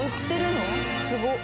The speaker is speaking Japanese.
すごっ。